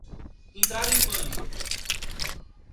Entraram em pânico